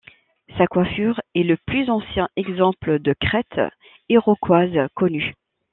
Sa coiffure est le plus ancien exemple de crête iroquoise connu.